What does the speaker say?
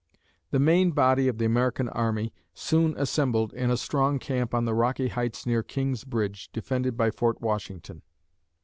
The main body of the American army soon assembled in a strong camp on the rocky heights near King's Bridge, defended by Fort Washington.